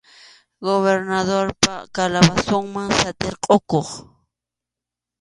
Gobernadorpa calabozonman satʼirquqku.